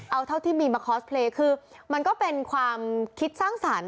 เอาเท่าที่มีมาคอสเพลย์คือมันก็เป็นความคิดสร้างสรรค์